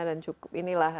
dan cukup ini lah